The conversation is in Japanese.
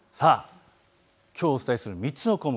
きょうお伝えする３つの項目。